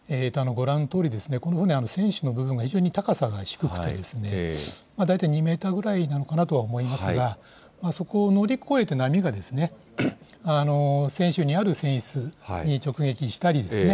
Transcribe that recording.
ご覧のとおり、この船、船首の部分が非常に高さが低くて、大体２メーターぐらいなのかなとは思いますが、そこを乗り越えて波が、船首にある船室に直撃したりですね。